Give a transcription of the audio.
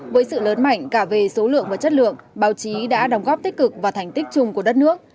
với sự lớn mạnh cả về số lượng và chất lượng báo chí đã đồng góp tích cực và thành tích chung của đất nước